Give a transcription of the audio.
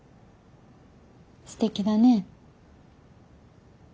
すてきだね。